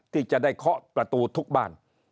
ที่จะได้เคาะประตูทุกบ้าน